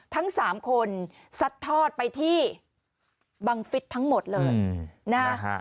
ทั้งสามคนซัดทอดไปที่บังฟิศทั้งหมดเลยนะฮะ